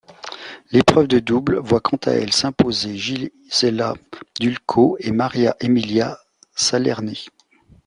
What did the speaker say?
L'épreuve de double voit quant à elle s'imposer Gisela Dulko et María Emilia Salerni.